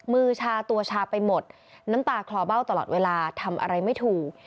มือชาตัวชาไปหมดน้ำตาคลอเบ้าตลอดเวลาทำอะไรไม่ถูก